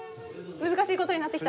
難しいことになってきた。